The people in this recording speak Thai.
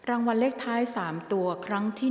ออกรางวัลเลขหน้า๓ตัวครั้งที่๒